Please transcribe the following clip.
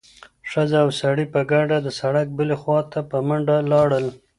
ښځه او سړی په ګډه د سړک بلې خوا ته په منډه لاړل.